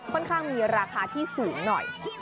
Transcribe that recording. ค่อนข้างมีราคาที่สูงหน่อย